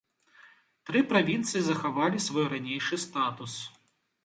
Тры правінцыі захавалі свой ранейшы статус.